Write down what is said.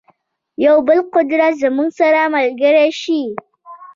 یو بل قدرت زموږ سره ملګری شي.